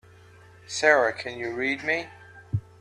Sara can you read me?